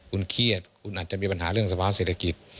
คุณเครียดคุณอาจจะมีปัญหาเรื่องสภาเศรษฐกิจ